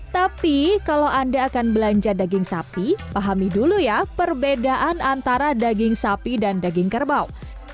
tapi kalau anda akan belanja daging sapi pahami dulu ya perbedaan antara daging sapi dan daging kerbau